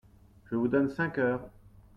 Je vous donne cinq heures !